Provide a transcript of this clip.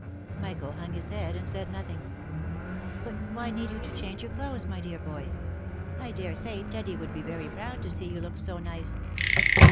Michael hung his head, and said nothing. " But why need you change your clothes, my dear boy? — I dare say Teddy would be very proud to see you look so nice."